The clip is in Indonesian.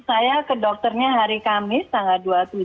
saya ke dokternya hari kamis tanggal dua puluh tujuh